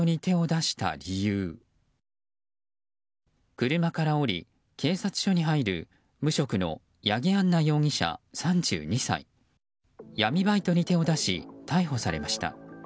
車から降り警察署に入る無職の八木杏奈容疑者、３２歳闇バイトに手を出し逮捕されました。